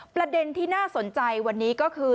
ประเด็นที่น่าสนใจวันนี้ก็คือ